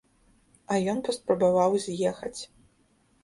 А ён паспрабаваў з'ехаць.